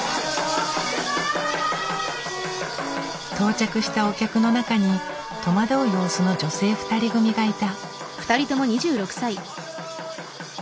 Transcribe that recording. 到着したお客の中に戸惑う様子の女性２人組がいた。